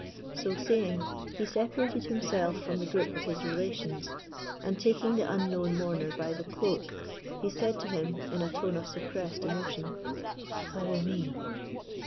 So saying, he separated himself from the group of his relations, and taking the unknown mourner by the cloak, he said to him, in a tone of suppressed emotion, "Follow me."